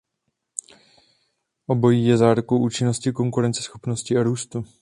Obojí je zárukou účinnosti, konkurenceschopnosti a růstu.